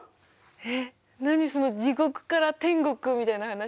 えっ何その地獄から天国みたいな話。